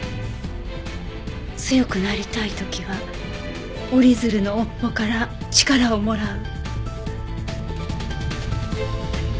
「強くなりたい時は折り鶴の尾っぽから力をもらう」。